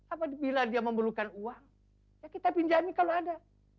apabila dia memerlukan uang ya kita pinjami kalau ada